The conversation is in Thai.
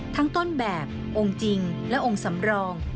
ต้นแบบองค์จริงและองค์สำรอง